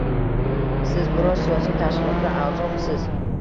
Siz biror siyosiy tashkilotga a’zomisiz?